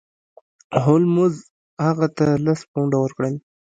هولمز هغه ته لس پونډه ورکړل.